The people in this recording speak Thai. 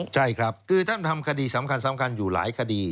ใช่ครับคือท่านทำคดีสำคัญอยู่หลายคดี